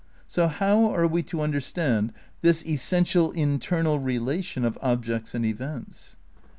So how are we to understand this essential internal relation of objects and events?